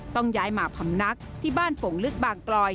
ต้องย้ายมาพำนักที่บ้านโป่งลึกบางกลอย